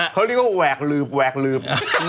เขาเรียกว่าแหวกลืบ